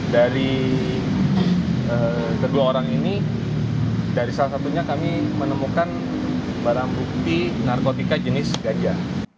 dari kedua orang ini dari salah satunya kami menemukan barang bukti narkotika jenis ganja